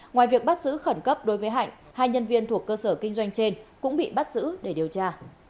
ngoài việc bắt giữ khẩn cấp đối với hạnh hai nhân viên thuộc cơ sở kinh doanh trên cũng bị bắt giữ để điều tra